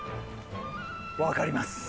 分かります。